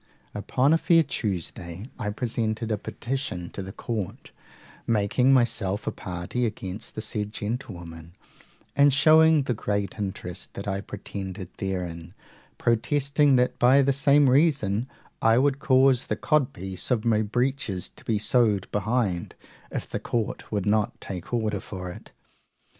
Upon a fair Tuesday I presented a petition to the court, making myself a party against the said gentlewomen, and showing the great interest that I pretended therein, protesting that by the same reason I would cause the codpiece of my breeches to be sewed behind, if the court would not take order for it.